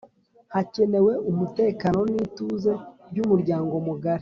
Hakenewe umutekano n’ituze by’umuryango mugari